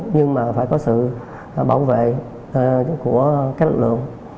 nhưng mà phải có sự bảo vệ của các lực lượng